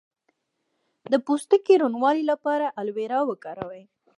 د پوستکي روڼوالي لپاره ایلوویرا وکاروئ